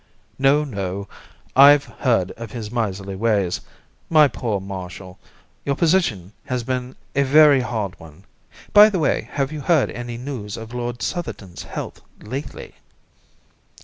"No, no, I have heard of his miserly ways. My poor Marshall, your position has been a very hard one. By the way, have you heard any news of Lord Southerton's health lately?"